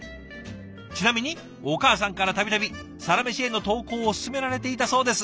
ちなみにお母さんから度々「サラメシ」への投稿を勧められていたそうです。